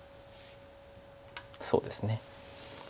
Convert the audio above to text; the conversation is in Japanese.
そうですね。